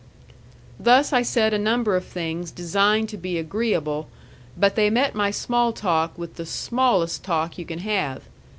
Thus I said a number of things designed to be agreeable, but they met my small talk with the smallest talk you can have.